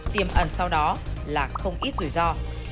tiềm ẩn sau đó là không ít rủi ro